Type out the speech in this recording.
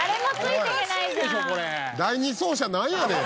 第２走者なんやねん！